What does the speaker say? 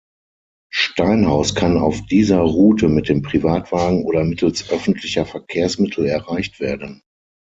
Steinhaus kann auf dieser Route mit dem Privatwagen oder mittels öffentlicher Verkehrsmittel erreicht werden.